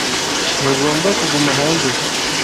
Ntugomba kuguma hanze.